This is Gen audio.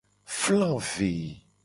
Fla ve.